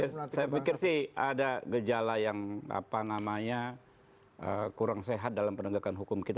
saya pikir sih ada gejala yang apa namanya kurang sehat dalam penegakan hukum kita